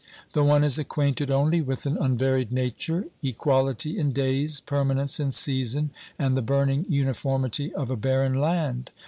The one is acquainted only with an unvaried Nature, equality in days, permanence in season and the burning uniformity of a barren land.